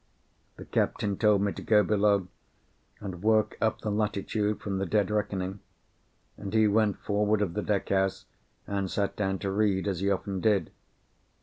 The captain told me to go below and work up the latitude from the dead reckoning, and he went forward of the deck house and sat down to read, as he often did.